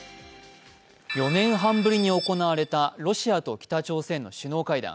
４年半ぶりに行われたロシアと北朝鮮の首脳会談。